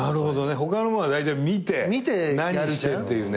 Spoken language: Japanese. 他のものはだいたい見て何してっていうね。